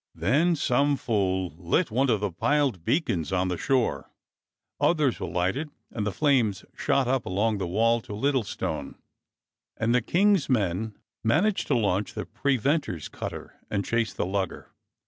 Then some fool lit one of the piled beacons on the shore. Others were lighted, and the flames shot up along the wall to Little stone, and the King's men managed to launch the pre venter's cutter and chase the lugger.